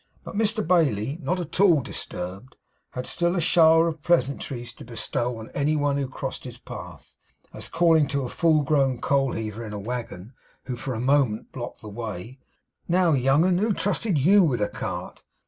But Mr Bailey, not at all disturbed, had still a shower of pleasantries to bestow on any one who crossed his path; as, calling to a full grown coal heaver in a wagon, who for a moment blocked the way, 'Now, young 'un, who trusted YOU with a cart?